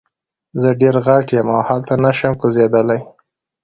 زه ډیر غټ یم او هلته نشم کوزیدلی.